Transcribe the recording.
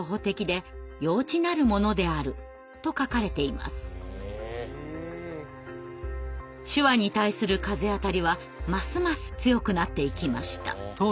手話に対する風当たりはますます強くなっていきました。